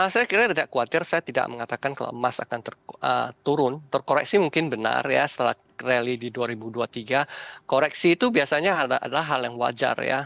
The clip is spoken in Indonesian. saya kira tidak khawatir saya tidak mengatakan kalau emas akan turun terkoreksi mungkin benar ya setelah rally di dua ribu dua puluh tiga koreksi itu biasanya adalah hal yang wajar ya